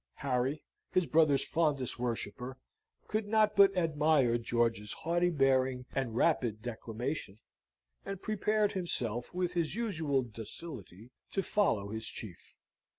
Harry, his brother's fondest worshipper, could not but admire George's haughty bearing and rapid declamation, and prepared himself, with his usual docility, to follow his chief.